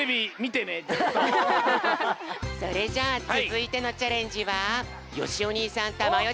それじゃあつづいてのチャレンジはよしお兄さんたまよ